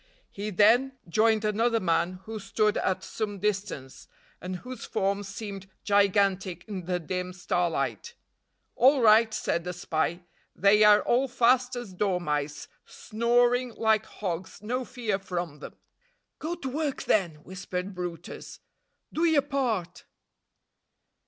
He then joined another man who stood at some distance, and whose form seemed gigantic in the dim starlight. "All right," said the spy, "they are all fast as dormice, snoring like hogs; no fear from them." "Go to work, then," whispered brutus. "Do your part."